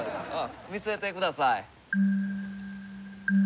見せてください。